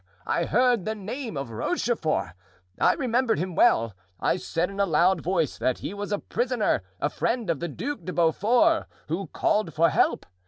I heard the name of Rochefort. I remembered him well. I said in a loud voice that he was a prisoner, a friend of the Duc de Beaufort, who called for help.